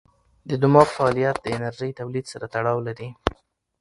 د دماغ فعالیت د انرژۍ تولید سره تړاو لري.